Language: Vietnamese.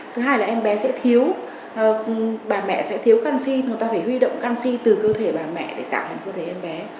thứ hai là em bé sẽ thiếu bà mẹ sẽ thiếu canxi mà ta phải huy động canxi từ cơ thể bà mẹ để tạo nên cơ thể em bé